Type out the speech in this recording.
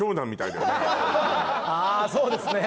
あそうですね。